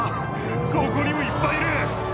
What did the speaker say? ここにもいっぱいいる！